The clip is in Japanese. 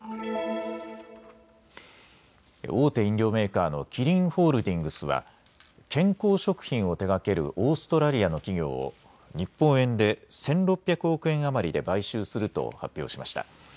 大手飲料メーカーのキリンホールディングスは健康食品を手がけるオーストラリアの企業を日本円で１６００億円余りで買収すると発表しました。